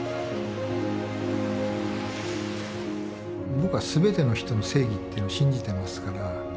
僕は全ての人の正義っていうのを信じてますから。